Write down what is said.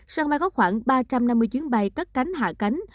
sân bay có khoảng ba trăm năm mươi chuyến bay cất cánh hạ cánh